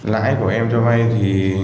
lãi của em cho vai